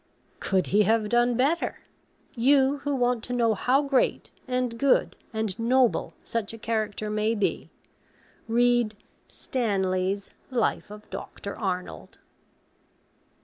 Could he have done better? You who want to know how great, and good, and noble such a character may be, read Stanley's 'Life of Doctor Arnold.'